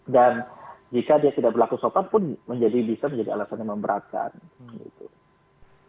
jika dia tidak berlaku sopan pun bisa menjadi alasan yang memberatkan gitu